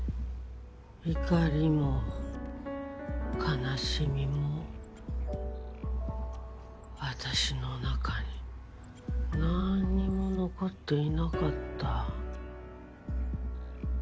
怒りも悲しみも私の中になんにも残っていなかった。